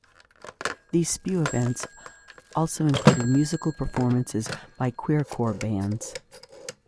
These Spew events also included musical performances by queercore bands.